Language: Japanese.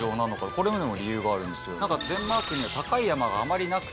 これにも理由があるんですよ。